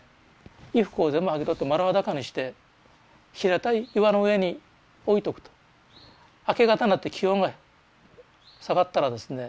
衣服を全部剥ぎ取って丸裸にして平たい岩の上に置いとくと明け方になって気温が下がったらですね